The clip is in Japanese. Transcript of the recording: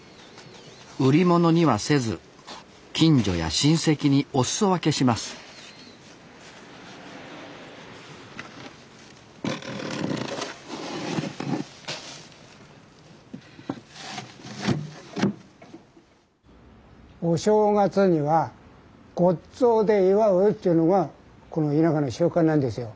売り物にはせず近所や親戚にお裾分けしますお正月にはごっつぉで祝うというのがこの田舎の習慣なんですよ。